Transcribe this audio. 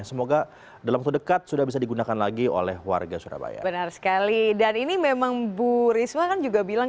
semoga dalam waktu dekat sudah bisa digunakan